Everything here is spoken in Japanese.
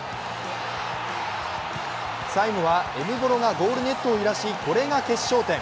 最後はエムボロがゴールネットを揺らし、これが決勝点。